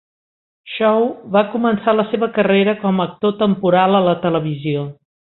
Chow va començar la seva carrera com actor temporal a la televisió.